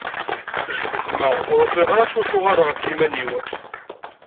Ggugmeɣ, ur ufiɣ ara s wacu ara rreɣ ɣef yiman-iw.